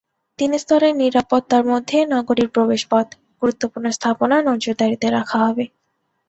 তিন স্তরের নিরাপত্তার মধ্যে নগরীর প্রবেশপথ, গুরুত্বপূর্ণ স্থাপনা নজরদারিতে রাখা হবে।